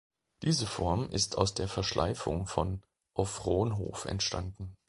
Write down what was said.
Diese Form ist aus der Verschleifung von „auf Ronhof“ entstanden.